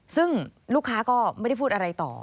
ซึ่งลูกค้าก็ไม่ได้พูดอะไรต่อ